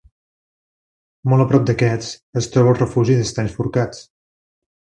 Molt a prop d'aquests es troba el Refugi d'Estanys Forcats.